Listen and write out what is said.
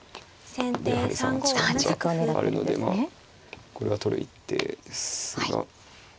やはり３八角があるのでまあこれは取る一手ですが。